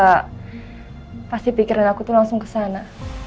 maksudnya pasti pikiran aku tuh langsung kesana